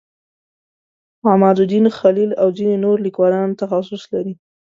عمادالدین خلیل او ځینې نور لیکوال تخصص لري.